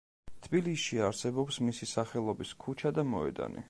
თბილისში არსებობს მისი სახელობის ქუჩა და მოედანი.